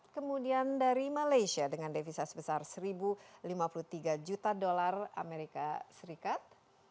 kemudian dari malaysia dengan devisa sebesar satu lima puluh tiga juta dolar amerika serikat